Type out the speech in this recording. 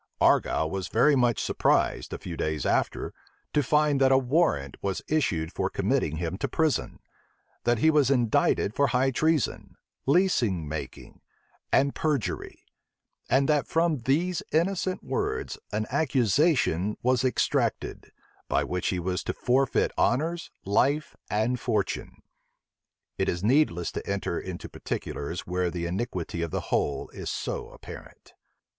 Argyle was much surprised, a few days after, to find that a warrant was issued for committing him to prison; that he was indicted for high treason, leasing making, and perjury; and that from these innocent words an accusation was extracted, by which he was to forfeit honors, life, and fortune. It is needless to enter into particulars where the iniquity of the whole is so apparent.